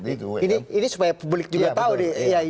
ini supaya publik juga tahu nih